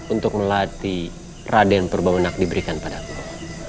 untuk melatih raden purbamenak diberikan padaku